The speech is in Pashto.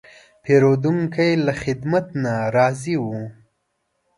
پیرودونکی له خدمت نه راضي و.